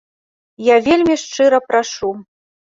Я вельмі шчыра прашу.